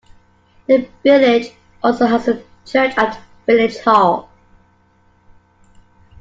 The village also has a Church and Village Hall.